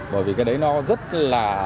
bởi vì cái đấy nó rất là